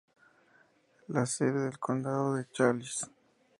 La sede del condado es Challis.